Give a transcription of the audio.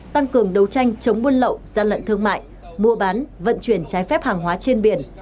tăng cường đấu tranh chống buôn lậu gian lận thương mại mua bán vận chuyển trái phép hàng hóa trên biển